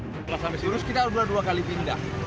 setelah sampai sirus kita sudah dua kali pindah